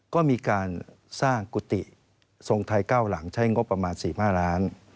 ก็มีการสร้างกุฏิทรงไทย๙หลังใช้งบประมาณ๔๕ล้าน